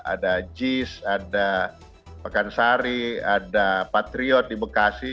ada jis ada pekansari ada patriot di bekasi